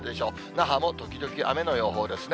那覇も時々雨の予報ですね。